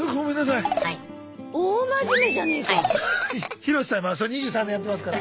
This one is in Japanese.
ヒロシさんまあ２３年やってますから。